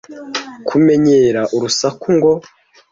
Kumenyera urusaku ngo